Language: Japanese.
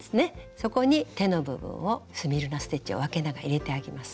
そこに手の部分をスミルナ・ステッチをあけながら入れてあげます。